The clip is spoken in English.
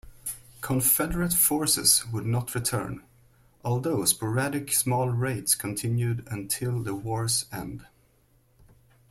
Confederate forces would not return, although sporadic small raids continued until the war's end.